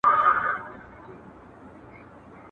نن د هغو فرشتو سپین هغه واورین لاسونه ..